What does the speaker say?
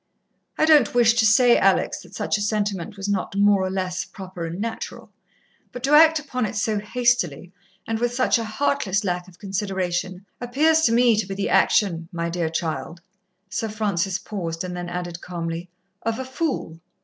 I don't wish to say, Alex, that such a sentiment was not more or less proper and natural, but to act upon it so hastily, and with such a heartless lack of consideration, appears to me to be the action, my dear child" Sir Francis paused, and then added calmly "of a fool.